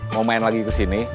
mau main lagi ke sini